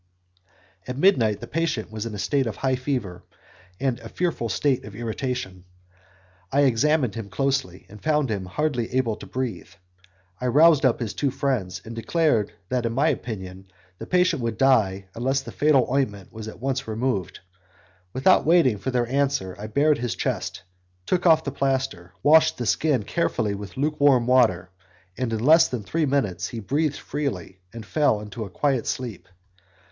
At midnight the patient was in a state of high fever, and in a fearful state of irritation. I examined him closely, and found him hardly able to breathe. I roused up his two friends; and declared that in my opinion the patient would soon die unless the fatal ointment was at once removed. And without waiting for their answer, I bared his chest, took off the plaster, washed the skin carefully with lukewarm water, and in less than three minutes he breathed freely and fell into a quiet sleep.